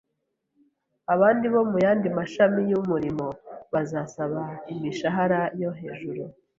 abandi bo mu yandi mashami y’umurimo bazasaba imishahara yo hejuru,